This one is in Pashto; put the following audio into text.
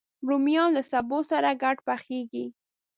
رومیان له سبو سره ګډ پخېږي